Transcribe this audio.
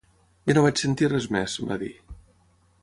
Ja no vaig sentir res més, va dir.